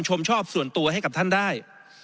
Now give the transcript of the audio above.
ชอบส่วนตัวให้กับท่านได้